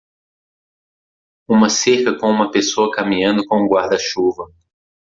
Uma cerca com uma pessoa caminhando com um guarda-chuva